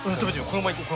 このままいこう。